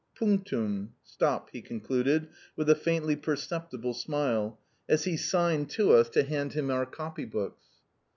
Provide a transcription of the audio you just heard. "Punctum" (stop), he concluded, with a faintly perceptible smile, as he signed to us to hand him our copy books.